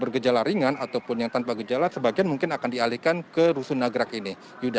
bergejala ringan ataupun yang tanpa gejala sebagian mungkin akan dialihkan ke rusunagrak ini